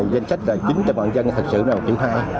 danh sách là chín trăm linh dân thật sự là một triệu hai